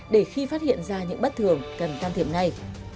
để khi phát hiện ra những bất thường cần can thiệp ngay